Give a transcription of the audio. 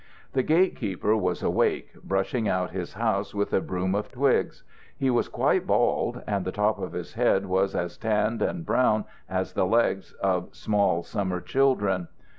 The gate keeper was awake, brushing out his house with a broom of twigs. He was quite bald, and the top of his head was as tanned and brown as the legs of small summer children.